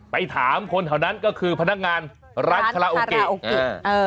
ไปถามคนแถวนั้นก็คือพนักงานร้านคาราโอเกะ